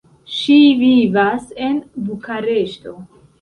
Ŝi vivas en Bukareŝto.